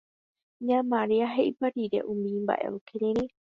Ña Maria he'ipa rire umi mba'e okirirĩ